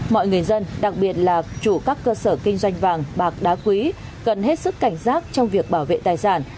mọi người dân đặc biệt là chủ các cơ sở kinh doanh vàng bạc đá quý cần hết sức cảnh giác trong việc bảo vệ tài sản